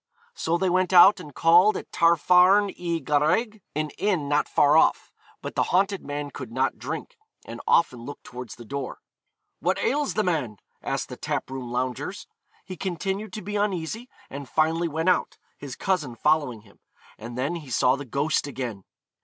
So they went out, and called at Tafarn y Garreg, an inn not far off; but the haunted man could not drink, and often looked towards the door. 'What ails the man?' asked the tap room loungers. He continued to be uneasy, and finally went out, his cousin following him, and then he saw the ghost again.